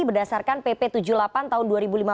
berdasarkan pp tujuh puluh delapan tahun dua ribu lima belas